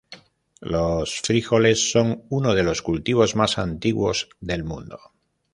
Los frijoles son uno de los cultivos más antiguos del mundo.